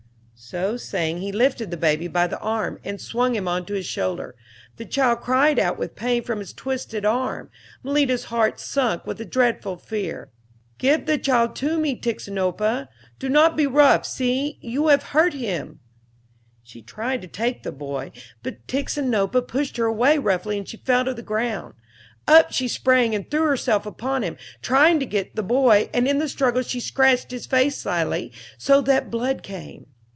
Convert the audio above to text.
So saying he lifted the baby by the arm and swung him on to his shoulder. The child cried out with pain from its twisted arm. Malita's heart sunk with a dreadful fear. "Give the child to me, Tixinopa, do not be so rough; see, you have hurt him." [Illustration: MALITA.] She tried to take the boy, but Tixinopa pushed her away roughly and she fell to the ground. Up she sprang and threw herself upon him, trying to get the boy, and in the struggle she scratched his face slightly, so that the blood came.